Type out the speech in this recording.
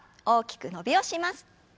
大きく伸びをします。